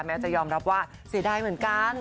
จะยอมรับว่าเสียดายเหมือนกัน